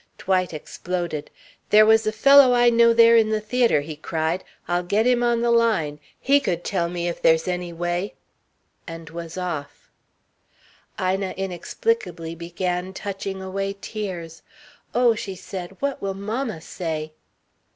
Dwight exploded. "There was a fellow I know there in the theatre," he cried. "I'll get him on the line. He could tell me if there's any way " and was off. Ina inexplicably began touching away tears. "Oh," she said, "what will mamma say?"